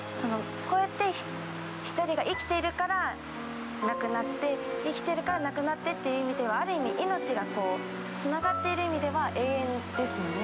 こうやって１人が生きているから亡くなって生きてるから亡くなってっていう意味ではある意味命がこうつながっている意味では永遠ですよね。